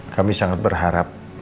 kami sangat berharap